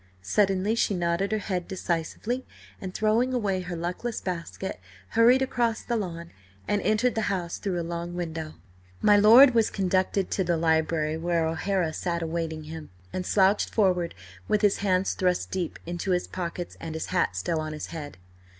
Suddenly she nodded her head decisively, and throwing away her luckless basket, hurried across the lawn and entered the house through a long window. My lord was conducted to the library, where O'Hara sat awaiting him, and slouched forward with his hands thrust deep into his pockets and his hat still on his head.